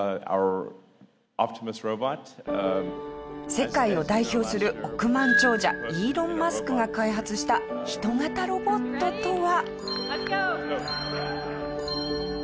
世界を代表する億万長者イーロン・マスクが開発したヒト型ロボットとは？